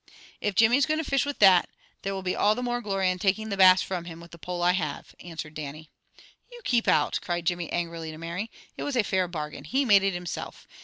"If Jimmy is going to fish with that, there will be all the more glory in taking the Bass from him with the pole I have," answered Dannie. "You keep out," cried Jimmy angrily to Mary. "It was a fair bargain. He made it himself.